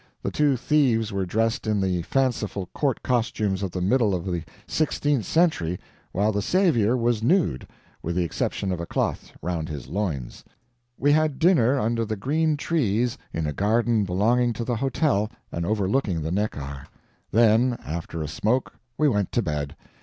The two thieves were dressed in the fanciful court costumes of the middle of the sixteenth century, while the Saviour was nude, with the exception of a cloth around the loins. We had dinner under the green trees in a garden belonging to the hotel and overlooking the Neckar; then, after a smoke, we went to bed.